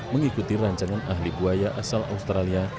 mengikuti rancangan ahli buaya asal australia